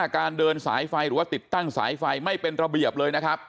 การเดินสายไฟหรือว่าติดตั้งสายไฟไม่เป็นระเบียบเลยนะครับ